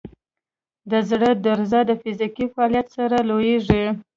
د زړه درزا د فزیکي فعالیت سره لوړېږي.